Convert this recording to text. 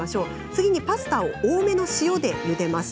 次に、パスタを多めの塩でゆでます。